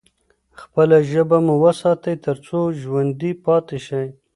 خپله ژبه مو وساتئ ترڅو ژوندي پاتې شئ.